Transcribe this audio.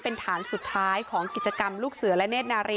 เป็นฐานสุดท้ายของกิจกรรมลูกเสือและเนธนารี